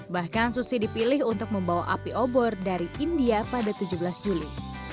bahkan susi dipilih untuk membawa api obor dari india pada tujuh belas juli